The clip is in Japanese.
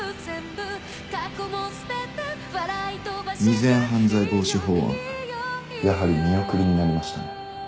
未然犯罪防止法案やはり見送りになりましたね。